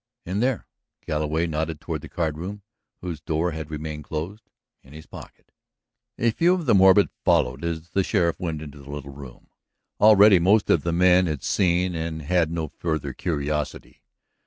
"In there." Galloway nodded toward the card room whose door had remained closed. "In his pocket." A few of the morbid followed as the sheriff went into the little room. Already most of the men had seen and had no further curiosity.